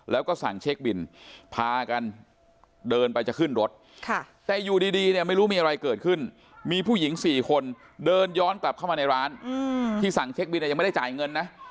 แล้วก็สั่งเช็คบินพากันเดินไปจะขึ้นรถแต่อยู่ดีเนี่ยไม่รู้มีอะไรเกิดขึ้นมีผู้หญิง๔คนเดินย้อนกลับเข้ามาในร้านที่สั่งเช็คบินยังไม่ได้จ่ายเงินนะ